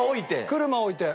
車置いて。